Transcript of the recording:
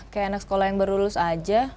kayak anak sekolah yang baru lulus aja